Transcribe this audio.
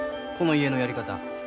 この家のやり方。